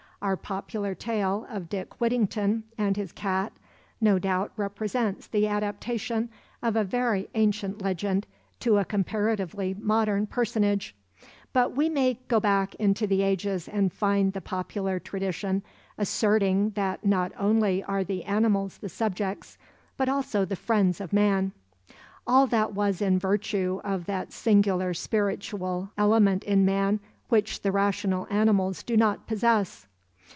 Our popular tale of Dick Whittington and his Cat no doubt represents the adaptation of a very ancient legend to a comparatively modern personage, but we may go back into the ages and find the popular tradition asserting that not only are the animals the subjects, but also the friends of man. All that was in virtue of that singular spiritual element in man which the rational animals do not possess.